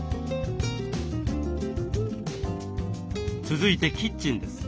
続いてキッチンです。